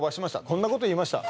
こんなこと言いました